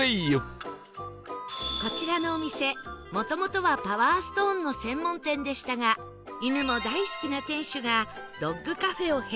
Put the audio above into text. こちらのお店もともとはパワーストーンの専門店でしたが犬も大好きな店主がドッグカフェを併設